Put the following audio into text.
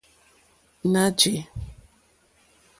Ná jè.